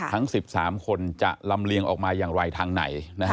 ทั้ง๑๓คนจะลำเลียงออกมาอย่างไรทางไหน